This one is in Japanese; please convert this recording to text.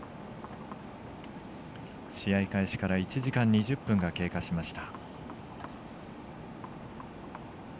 試合開始から１時間２０分が経過しました。